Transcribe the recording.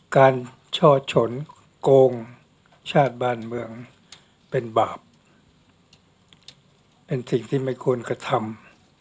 ช่อชนโกงชาติบ้านเมืองเป็นบาปเป็นสิ่งที่ไม่ควรกระทำ